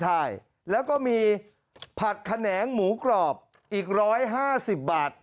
ใช่แล้วก็มีผัดแขนงหมูกรอบอีก๑๕๐บาท